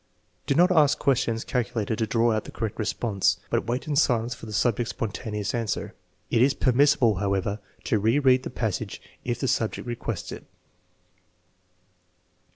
9 Do not ask questions calculated to draw out the correct response, but wait in silence for the subject's spontaneous answer. It is permissible, however, to re read the passage if the subject requests it.